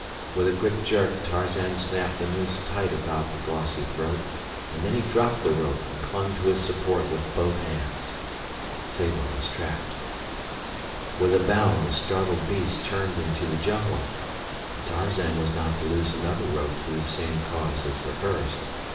With a quick jerk Tarzan snapped the noose tight about the glossy throat, and then he dropped the rope and clung to his support with both hands. Sabor was trapped. With a bound the startled beast turned into the jungle, but Tarzan was not to lose another rope through the same cause as the first.